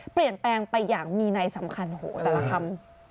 เปลี่ยนแปลงไปอย่างมีในสำคัญโหแต่ละคำ